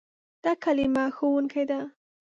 دا کلمه "ښوونکی" ده.